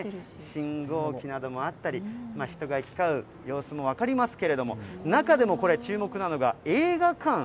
信号機などもあったり、人が行き交う様子も分かりますけれども、中でもこれ、注目なのが映画館。